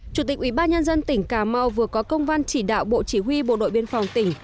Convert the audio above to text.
chủ tịch ủy ban nhân dân tỉnh cà mau vừa có công văn chỉ đạo bộ chỉ huy bộ đội biên phòng tỉnh